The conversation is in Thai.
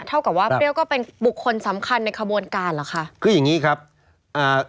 เท่ากับว่าเปรี้ยวก็เป็นบุคคลสำคัญในขบวนการเหรอคะคืออย่างงี้ครับอ่า